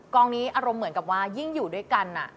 กองนี้อารมณ์เหมือนกับว่ายิ่งอยู่ด้วยกัน